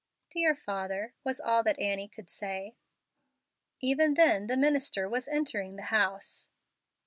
"Dear father!" was all that Annie could say. Even then the minister was entering the house.